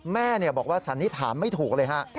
แม่เนี่ยบอกว่าสันนี้ถามไม่ถูกเลยฮะ